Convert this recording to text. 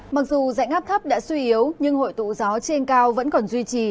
mặc dù dãy ngắp thấp đã suy yếu nhưng hội tụ gió trên cao vẫn còn duy trì